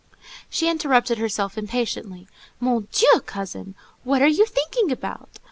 She interrupted herself impatiently: "Mon Dieu, cousin! What are you thinking about?"